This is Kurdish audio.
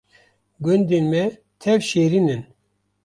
Gundên Me Tev Şêrîn in